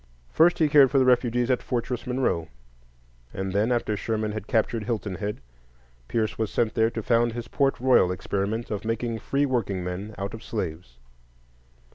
First, he cared for the refugees at Fortress Monroe; and then, after Sherman had captured Hilton Head, Pierce was sent there to found his Port Royal experiment of making free workingmen out of slaves.